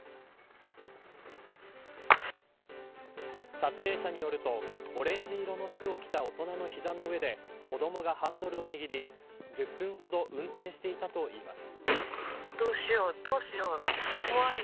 撮影者によるとオレンジ色の服を着た大人の膝の上で子どもがハンドルを握り１０分ほど運転していたといいます。